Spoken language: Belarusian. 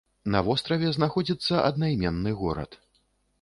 На востраве знаходзіцца аднайменны горад.